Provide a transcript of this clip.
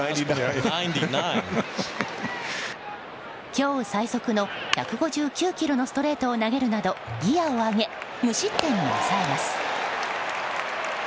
今日最速の１５９キロのストレートを投げるなどギアを上げ、無失点に抑えます。